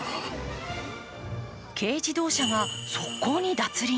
軽自動車が側溝に脱輪。